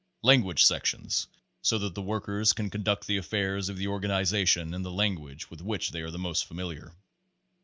Language sections, so that the workers can con duct the affairs of the organization in the language with which they are the most familiar.